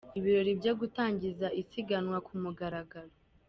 Ibirori byo gutangiza isiganwa ku mugaragaro.